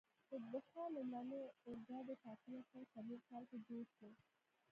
د بخار لومړنی اورګاډی په اتلس سوه څلور کال کې جوړ شو.